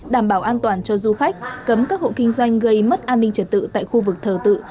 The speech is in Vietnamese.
đảm bảo an toàn cho du khách cấm các hộ kinh doanh gây mất an ninh trật tự tại khu vực thờ tự